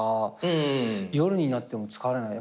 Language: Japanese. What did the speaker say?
夜になっても疲れない。